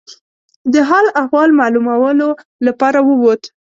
د حال احوال معلومولو لپاره ووت.